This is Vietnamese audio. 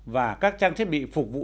và các trang thiết bị phục vụ